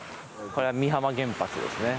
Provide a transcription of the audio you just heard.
これが美浜原発ですね。